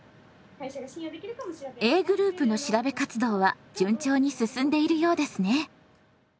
Ａグループの調べ活動は順調に進んでいるようですね。